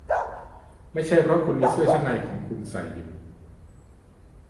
ไม่ใช่เพราะคุณมีเสื้อชั้นในของคุณใส่อยู่